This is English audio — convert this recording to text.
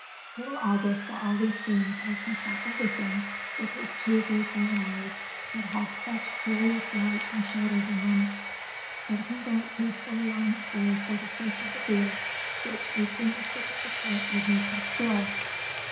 Little August saw all these things as he saw everything with his two big bright eyes that had such curious lights and shadows in them; but he went heedfully on his way for the sake of the beer which a single slip of the foot would make him spill.